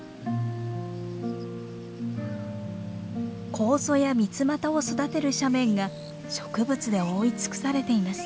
コウゾやミツマタを育てる斜面が植物で覆い尽くされています。